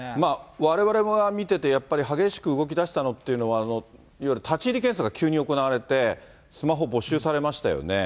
われわれが見てて、やっぱり激しく動きだしたのっていうのは、いわゆる立ち入り検査が急に行われて、スマホ没収されましたよね。